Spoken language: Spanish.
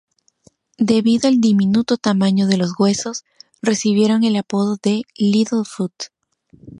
Debido al diminuto tamaño de los huesos, recibieron el apodo de "Little Foot".